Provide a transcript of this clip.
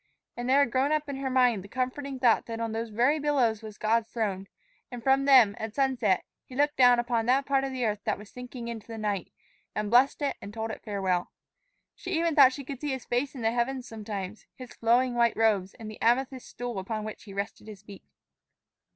And there had grown up in her mind the comforting thought that on those very billows was God's throne, and from them, at sunset, He looked down upon that part of the earth that was sinking into the night, and blessed it and told it farewell. She even thought she could see His face in the heavens sometimes, His flowing white robes, and the amethyst stool upon which He rested his feet.